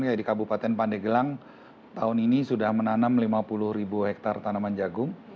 ya di kabupaten pandegelang tahun ini sudah menanam lima puluh ribu hektare tanaman jagung